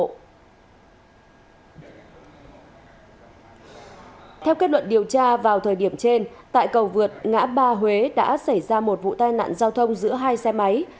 theo kết luận điều tra vào thời điểm trên tại cầu vượt ngã ba huế đã xảy ra một vụ tai nạn giao thông giữa hai xe máy